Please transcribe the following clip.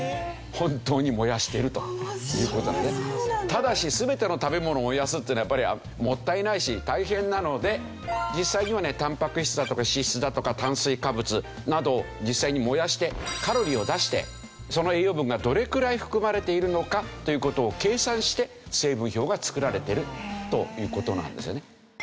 ただし全ての食べ物を燃やすっていうのはやっぱりもったいないし大変なので実際にはねたんぱく質だとか脂質だとか炭水化物など実際に燃やしてカロリーを出してその栄養分がどれくらい含まれているのかという事を計算して成分表が作られているという事なんですよね。